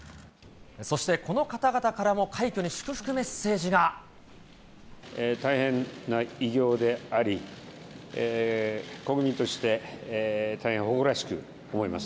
そしてこの方々からも快挙に大変な偉業であり、国民として大変誇らしく思います。